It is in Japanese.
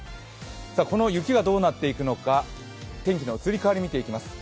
この雪がどうなっていくのか、天気の移り変わりを見ていきます。